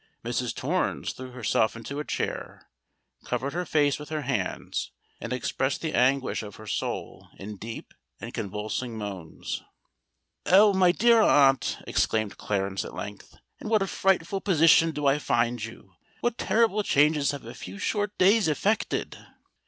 Mrs. Torrens threw herself into a chair, covered her face with her hands, and expressed the anguish of her soul in deep and convulsing moans. "Oh! my dear aunt," exclaimed Clarence at length; "in what a frightful position do I find you! What terrible changes have a few short days effected!"